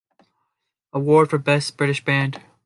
Award for "Best British Band".